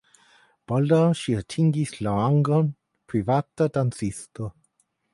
Baldaŭ ŝi atingis la rangon privata dancisto.